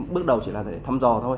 bước đầu chỉ là